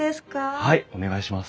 はいお願いします。